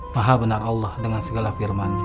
maha benar allah dengan segala firman